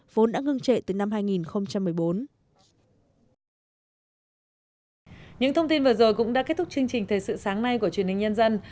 vốn đã ngưng trệ từ năm hai nghìn một mươi bốn